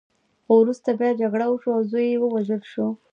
خو وروسته بیا جګړه وشوه او زوی یې ووژل شو.